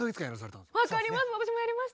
私もやりました。